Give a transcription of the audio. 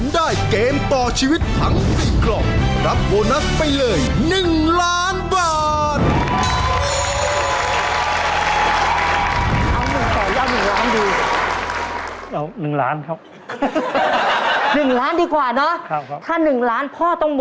ได้ไหม